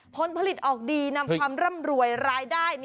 ผลผลิตออกดีนำความร่ำรวยรายได้